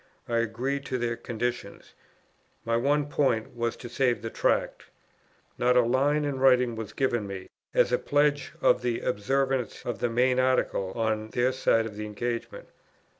I agreed to their conditions. My one point was to save the Tract. Not a line in writing was given me, as a pledge of the observance of the main article on their side of the engagement.